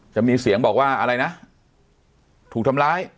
จะมีเสียงบอกว่าอะไรนะถูกทำร้าย